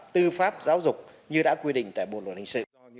tư pháp giáo dục như đã quy định tại bộ luật hình sự